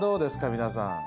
皆さん。